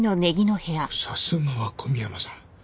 さすがは小宮山さん。